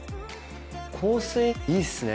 香水いいっすね。